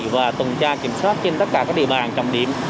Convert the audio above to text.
và tuần tra kiểm soát trên tất cả các địa bàn trọng điểm